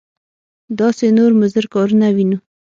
داسې نور مضر کارونه وینو.